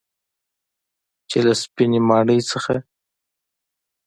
چې له سپینې ماڼۍ څخه